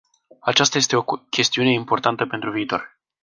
Aceasta este o chestiune importantă pentru viitor.